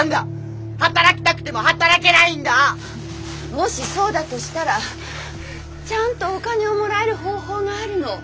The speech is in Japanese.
もしそうだとしたらちゃんとお金をもらえる方法があるの。